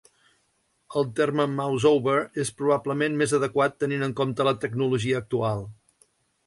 El terme "mouseover" és probablement més adequat tenint en compte la tecnologia actual.